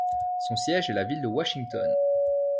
Son siège est la ville de Washington.